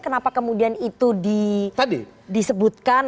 kenapa kemudian itu disebutkan